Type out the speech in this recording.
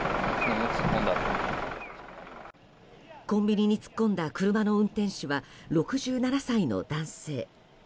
コンビニに突っ込んだ車の運転手は６７歳の男性。